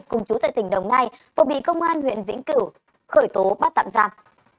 cùng chú tại tỉnh đồng nai vừa bị công an huyện vĩnh cửu khởi tố bắt tạm giam